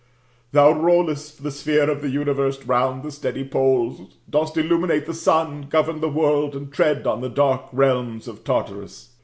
Thou roUest the sphere of the universe round the steady poles, dost illuminate the sun, govern the world, and tread on the dark realms of Tartarus.